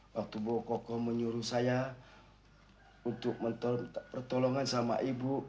waktu bu koko menyuruh saya untuk pertolongan sama ibu